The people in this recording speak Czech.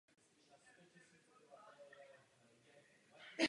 Později byl jmenován hospodářským radou.